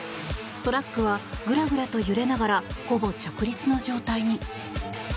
トラックはグラグラと揺れながらほぼ直立の状態に。